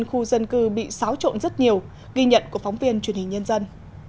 khu dân cư bị xáo trộn rất nhiều ghi nhận của phóng viên truyền hình nhân dân